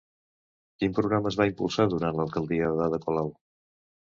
Quin programa es va impulsar durant l'alcaldia d'Ada Colau?